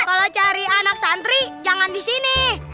kalau cari anak santri jangan di sini